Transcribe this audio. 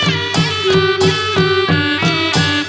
มีชื่อว่าโนราตัวอ่อนครับ